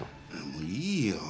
もういいよ。